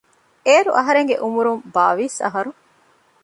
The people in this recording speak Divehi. އޭރު އަހަރެންގެ އުމުރުން ބާވީސް އަހަރު